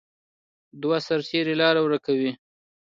دوه سرتیري لاره ورکه کوي.